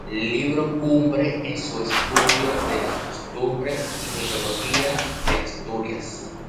Libro cumbre en su estudio de las costumbres y mitologías de Asturias.